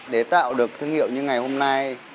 để tạo được thương hiệu như ngày hôm nay